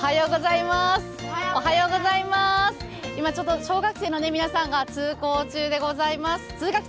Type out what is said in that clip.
今、ちょっと小学生の皆さんが通学中でございます。